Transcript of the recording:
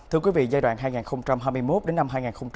thưa quý vị giai đoạn hai nghìn hai mươi một đến năm hai nghìn ba mươi